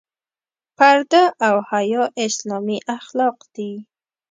پرده او حیا اسلامي اخلاق دي.